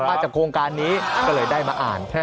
จากโครงการนี้ก็เลยได้มาอ่าน